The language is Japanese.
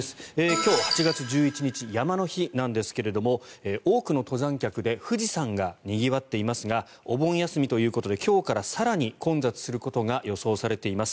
今日８月１１日、山の日ですが多くの登山客で富士山がにぎわっていますがお盆休みということで今日から更に混雑することが予想されています。